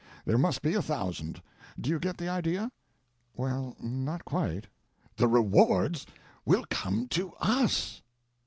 There must be a thousand. Do you get the idea?" "Well—not quite." "The rewards will come to us."